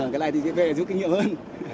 cái này thì sẽ về giúp kinh nghiệm hơn